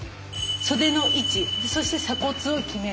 袖の位置そして鎖骨を極める。